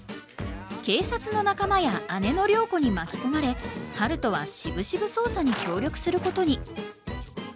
警察の仲間や姉の涼子に巻き込まれ春風はしぶしぶ捜査に協力することに。